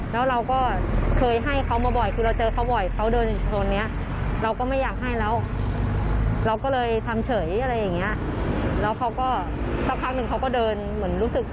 สักครั้งหนึ่งเขาก็เดินเหมือนรู้สึก